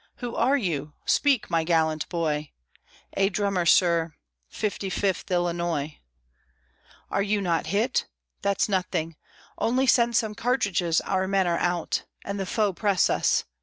Who are you? Speak, my gallant boy!" "A drummer, sir: Fifty fifth Illinois." "Are you not hit?" "That's nothing. Only send Some cartridges: our men are out; And the foe press us."